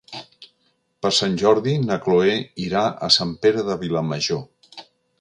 Per Sant Jordi na Cloè irà a Sant Pere de Vilamajor.